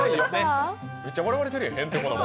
めっちゃ笑われてるやん。